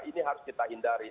ini harus kita hindari